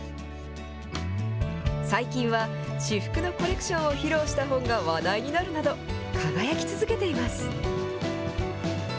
最近は、私服のコレクションを披露した本が話題になるなど、輝き続けています。